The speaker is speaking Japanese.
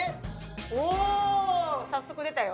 おー、早速出たよ。